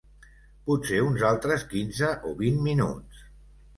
Potser uns altres quinze o vint minuts.